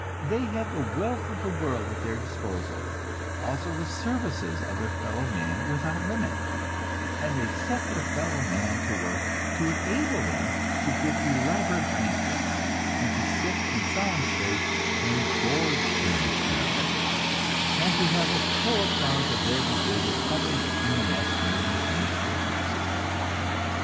They have the wealth of the world at their disposal, also the services of their fellow man without limit, and they set their fellow man to work to enable them to give elaborate banquets, and to sit in solemn state and gorge themselves, and to have a full account of their behavior published in the next morning's newspapers.